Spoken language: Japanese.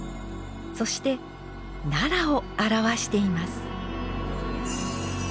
そして奈良を表しています。